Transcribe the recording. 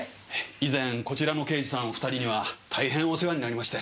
以前こちらの刑事さんお２人には大変お世話になりまして。